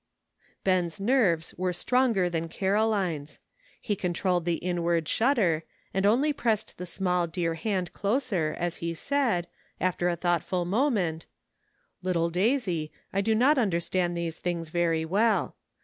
Ben's nerves were stronger than Caroline's. He controlled the inward shudder, and only pressed the small dear hand closer, as he said, after a thoughtful moment, "Little Daisy, I do not understand those things very well.